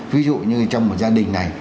ví dụ như trong một gia đình này